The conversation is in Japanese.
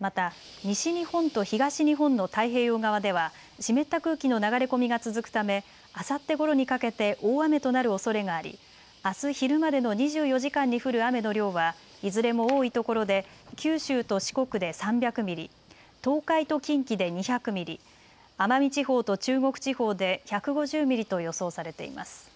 また西日本と東日本の太平洋側では湿った空気の流れ込みが続くためあさってごろにかけて大雨となるおそれがあり、あす昼までの２４時間に降る雨の量はいずれも多いところで九州と四国で３００ミリ、東海と近畿で２００ミリ、奄美地方と中国地方で１５０ミリと予想されています。